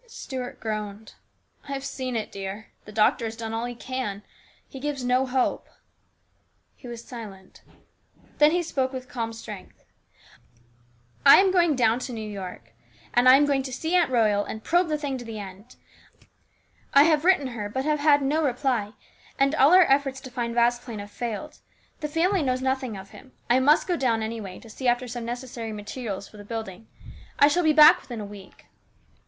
Stuart groaned. " I have seen it, dear ; the doctor has done all he can. He gives no hope." He was silent. Then he spoke with calm strength. " I am going down to New York, and I am going to see Aunt Royal and probe the thing to the end. I have written her, but had no reply. And all our efforts to find Vasplaine have failed. The family knows nothing of him. I must go down, anyway, to see after some necessary materials for the building. I shall be back within a week."